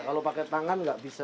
kalau pakai tangan nggak bisa